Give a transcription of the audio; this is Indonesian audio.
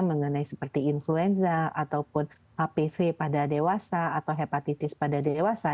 mengenai seperti influenza ataupun hpv pada dewasa atau hepatitis pada dewasa